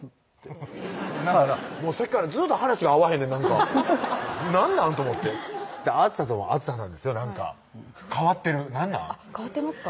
フフッさっきからずっと話が合わへんねんなんか何なん？と思って梓さんも梓さんですよなんか変わってる何なん？変わってますか？